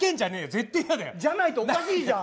絶対やだよ！じゃないとおかしいじゃん！